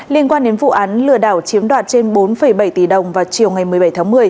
liên quan đến vụ án lừa đảo chiếm đoạt trên bốn bảy tỷ đồng vào chiều ngày một mươi bảy tháng một mươi